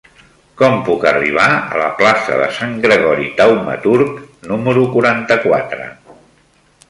Com puc arribar a la plaça de Sant Gregori Taumaturg número quaranta-quatre?